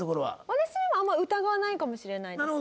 私でもあんまり疑わないかもしれないです。